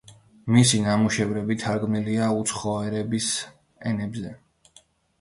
მისი ნამუშევრები თარგმნილია უცხო ერების ენებზე.